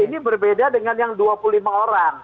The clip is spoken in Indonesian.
ini berbeda dengan yang dua puluh lima orang